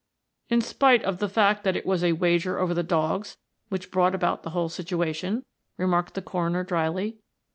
"In spite of the fact that it was a wager over the dogs which brought about the whole situation?" remarked the coroner dryly.